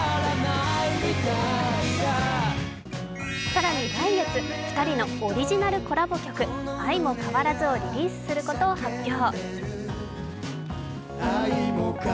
更に来月、２人のオリジナルコラボ曲「あいもかわらず」をリリースすることを発表。